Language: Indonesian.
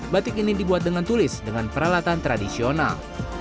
batik ini dibuat dengan tulis dengan peralatan tradisional